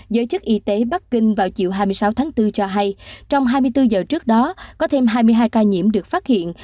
giới chức y tế bắc kinh vào chiều hai mươi sáu tháng bốn cho hay trong hai mươi bốn giờ trước đó có thêm hai mươi hai ca nhiễm được phát hiện